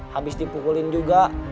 habis dipukulin juga